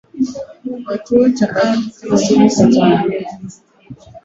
wa chuo cha ardhi nchini tanzania